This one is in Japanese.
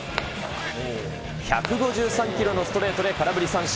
１５３キロのストレートで空振り三振。